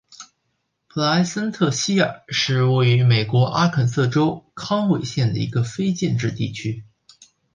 普莱森特希尔是位于美国阿肯色州康韦县的一个非建制地区。